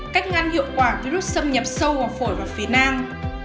cách ngăn hiệu quả virus xâm nhập sâu vào phổi và phế nang